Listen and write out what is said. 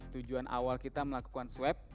tujuan awal kita melakukan swab